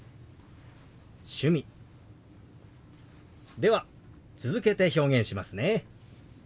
では続けて表現しますね。